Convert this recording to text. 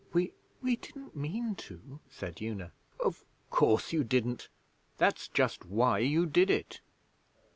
'We we didn't mean to,' said Una. 'Of course you didn't! That's just why you did it.